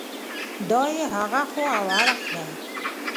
دا یې هغه خوا او اړخ دی.